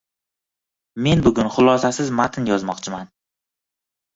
Men bugun xulosasiz matn yozmoqchiman.